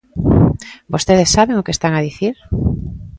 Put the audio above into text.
¿Vostedes saben o que están a dicir?